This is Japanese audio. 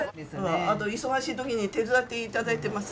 あと忙しい時に手伝って頂いてます。